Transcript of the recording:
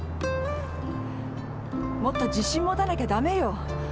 もっと自信持たなきゃダメよ。